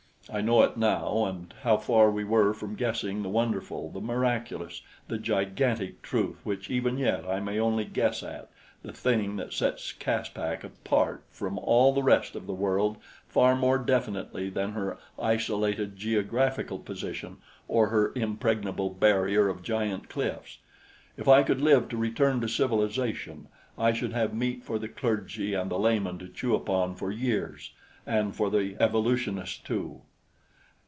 I know it now, and how far we were from guessing the wonderful, the miraculous, the gigantic truth which even yet I may only guess at the thing that sets Caspak apart from all the rest of the world far more definitely than her isolated geographical position or her impregnable barrier of giant cliffs. If I could live to return to civilization, I should have meat for the clergy and the layman to chew upon for years and for the evolutionists, too.